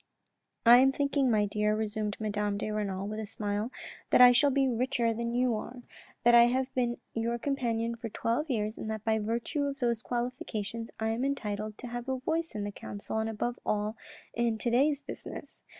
" I am thinking, my dear," resumed Madame de Renal with a smile, " that I shall be richer than you are, that I have been your companion for twelve years, and that by virtue of those qualifications I am entitled to have a voice in the council and, above all, in today's business.